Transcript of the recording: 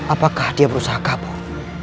apakah dia berusaha kabur